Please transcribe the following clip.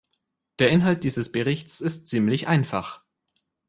Der Inhalt dieses Berichts ist ziemlich einfach.